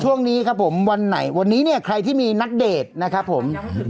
ช่วงนี้ครับผมวันนี้ใครที่มีนัดเดตยังไม่ถึง